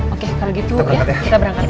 oke kalo gitu ya kita berangkat ya